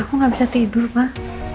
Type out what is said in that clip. aku nggak bisa tidur pak